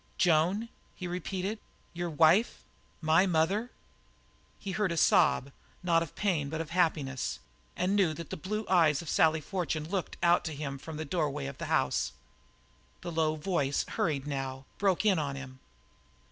"Joan," he repeated; "your wife my mother?" He heard a sob, not of pain, but of happiness, and knew that the blue eyes of Sally Fortune looked out to him from the doorway of the house. The low voice, hurried now, broke in on him.